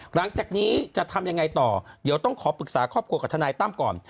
หลังจากนี้จะทำยังไงต่อเดี๋ยวต้องขอปรึกษาครอบครัวกับทนายตั้มก่อน